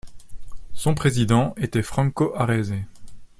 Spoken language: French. Son président était Franco Arese.